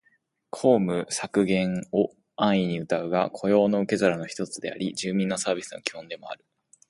公務員削減を安易にうたうが、雇用の受け皿の一つであり、住民サービスの基本でもある